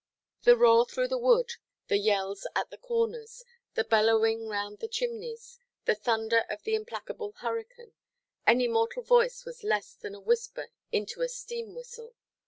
The roar through the wood, the yells at the corners, the bellowing round the chimneys, the thunder of the implacable hurricane; any mortal voice was less than a whisper into a steam–whistle.